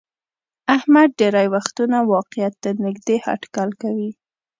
احمد ډېری وختونه واقعیت ته نیږدې هټکل کوي.